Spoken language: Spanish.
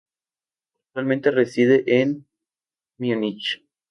Actualmente reside en Múnich.